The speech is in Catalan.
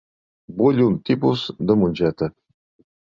Vull un tipus de mongeta.